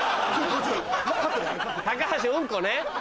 高橋うんこね。